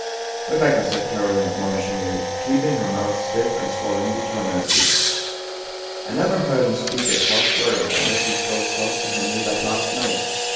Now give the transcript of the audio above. " Rebecca," said Caroline admonishingly, keeping her mouth stiff and swallowing determinately. " I never heard him speak a cross word, unless he spoke cross to Henry that last night.